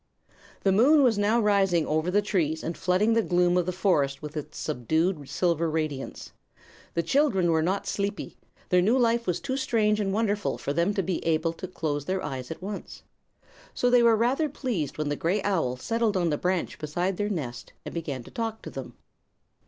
The moon was now rising over the trees and flooding the gloom of the forest with its subdued silver radiance. The children were not sleepy; their new life was too strange and wonderful for them to be able to close their eyes at once. So they were rather pleased when the gray owl settled on the branch beside their nest and began to talk to them.